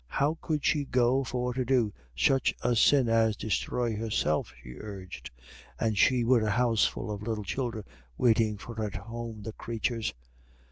How could she go for to do such a sin as destroy herself, she urged, and she wid a houseful of little childer waitin' for her at home, the crathurs?"